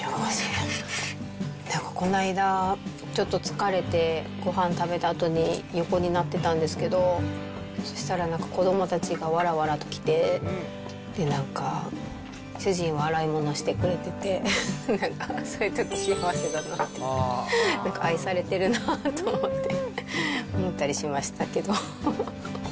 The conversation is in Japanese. なんかこないだ、ちょっと疲れて、ごはん食べたあとに横になってたんですけど、そしたらなんか、子どもたちがわらわらと来て、なんか、主人は洗い物してくれてて、なんか、そういうとき幸せだなって、なんか愛されてるなぁって思って、思ったりしましたけど。